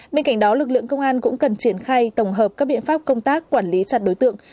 bên cạnh đó lực lượng công an cũng cần triển khai tổng hợp các biện pháp công tác quản lý chặt đối tượng